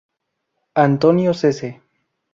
Antonio Cece.